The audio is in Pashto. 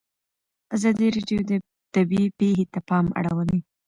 ازادي راډیو د طبیعي پېښې ته پام اړولی.